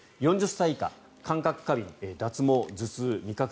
４０歳以下感覚過敏、脱毛、頭痛味覚